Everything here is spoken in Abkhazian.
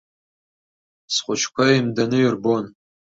Схәыҷқәа еимданы ирбон.